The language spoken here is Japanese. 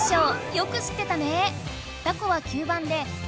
よく知ってたね！